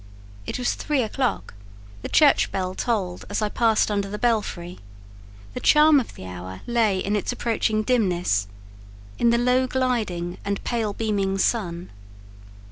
It was three o'clock; the church bell tolled as I passed under the belfry: the charm of the hour lay in its approaching dimness, in the low gliding and pale beaming sun.